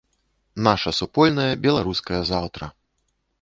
Нашае супольнае беларускае заўтра!